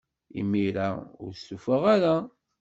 Imir-a, ur stufaɣ ara.